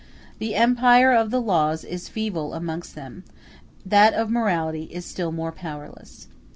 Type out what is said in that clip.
The empire of the laws is feeble amongst them; that of morality is still more powerless.